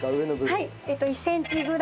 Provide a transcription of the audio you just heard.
はい。